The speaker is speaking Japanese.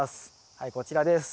はいこちらです。